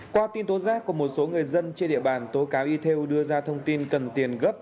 qua tin tố giác của một số người dân trên địa bàn tố cáo y theo đưa ra thông tin cần tiền gấp